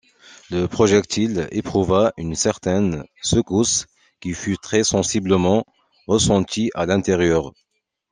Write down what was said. Le projectile éprouva une certaine secousse qui fut très-sensiblement ressentie à l’intérieur.